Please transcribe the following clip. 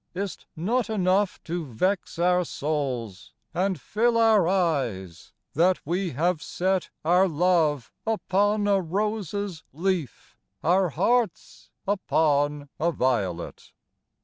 Is't not enough to vex our souls, And fill our eyes, that we have set Our love upon a rose's leaf, Our hearts upon a violet?